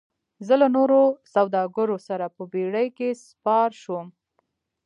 زه له نورو سوداګرو سره په بیړۍ کې سپار شوم.